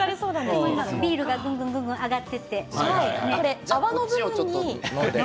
ビールがぐんぐん上がっていって。